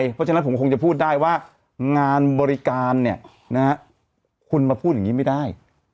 เพราะฉะนั้นผมคงจะพูดได้ว่างานบริการเนี่ยนะฮะคุณมาพูดอย่างนี้ไม่ได้